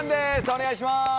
お願いします。